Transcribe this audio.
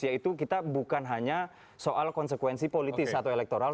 yaitu kita bukan hanya soal konsekuensi politis atau elektoral